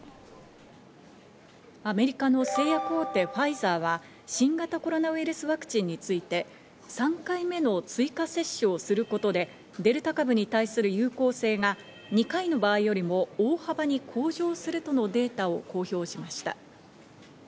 アメリカの製薬大手ファイザーは新型コロナウイルスワクチンについて、３回目の追加接種をすることで、デルタ株に対する有効性が２回の場合よりも大幅に向上するとのデータを公表しました。